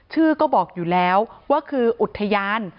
ชื่อก็บอกอยู่แล้วว่าคืออุทยาน